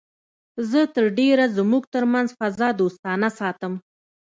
زه تر ډېره زموږ تر منځ فضا دوستانه ساتم